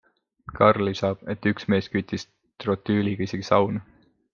Karl lisab, et üks mees küttis trotüüliga isegi sauna.